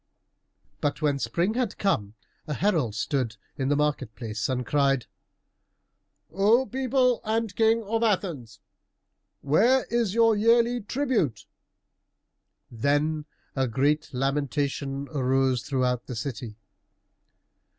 But when spring had come, a herald stood in the market place and cried, "O people and King of Athens, where is your yearly tribute?" Then a great lamentation arose throughout the city.